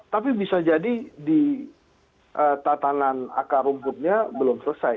tapi bisa jadi di tatanan akar rumputnya belum selesai